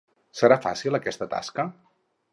Serà fàcil aquesta tasca?